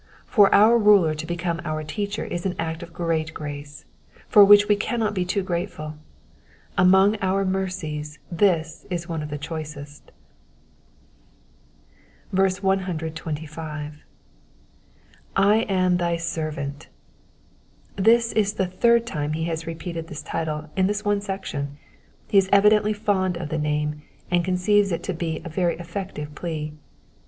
For our ruler to become our teacher is an act of great grace, for which we cannot be too grateful. Among our mercies this is one of the choicest. 125. / am thy servant.'''' This is the third time he has repeated this title in this one section : he is evidently fond of the name, and conceives it to be a very effective plea.